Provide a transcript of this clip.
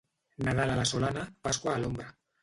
Nadal a la solana, Pasqua a l'ombra.